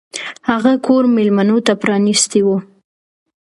هغه کور میلمنو ته پرانیستی و.